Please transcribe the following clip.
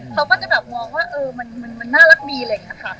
เขาก็จะมองว่ามันน่ารักดีเลยค่ะ